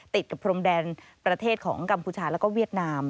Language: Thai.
ติดกับพรมแดนประเทศของกัมพูชาแล้วก็เวียดนาม